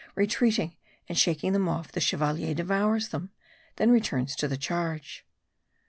Re treating and shaking them off, the Chevalier devours them ; then returns to the charge.